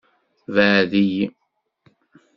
Beɛɛed-iyi.